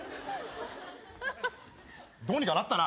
どうにかなったな。